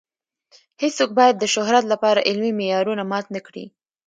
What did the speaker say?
هیڅوک باید د شهرت لپاره علمي معیارونه مات نه کړي.